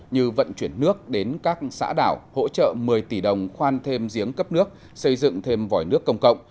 như vận chuyển nước đến các xã đảo hỗ trợ một mươi tỷ đồng khoan thêm giếng cấp nước xây dựng thêm vòi nước công cộng